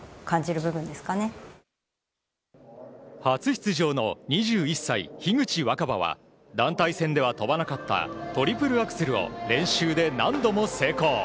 初出場の２１歳、樋口新葉は団体戦では跳ばなかったトリプルアクセルを練習で何度も成功。